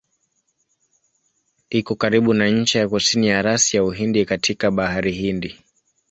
Iko karibu na ncha ya kusini ya rasi ya Uhindi katika Bahari Hindi.